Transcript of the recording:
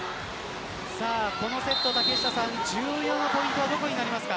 このセットの重要なポイントはどこですか。